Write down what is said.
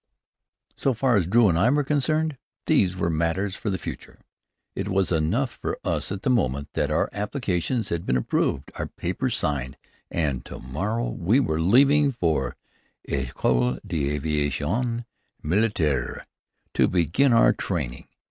In so far as Drew and I were concerned, these were matters for the future. It was enough for us at the moment that our applications had been approved, our papers signed, and that to morrow we were leaving for the École d'Aviation Militaire to begin our training.